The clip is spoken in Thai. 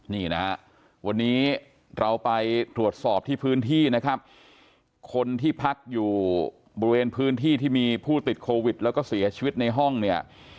นี่นะฮะวันนี้เราไปตรวจสอบที่พื้นที่นะครับคนที่พักอยู่บริเวณพื้นที่ที่มีผู้ติดโควิดแล้วก็เสียชีวิตในห้องเนี่ย